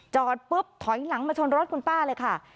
จอดปุ๊บถอยหลังมาชนรถคุณป้าเลยค่ะ